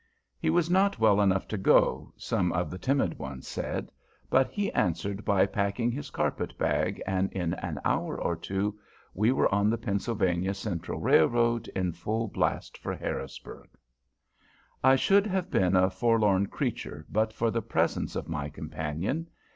He was not well enough to go, some of the timid ones said; but he answered by packing his carpet bag, and in an hour or two we were on the Pennsylvania Central Railroad in full blast for Harrisburg. I should have been a forlorn creature but for the presence of my companion.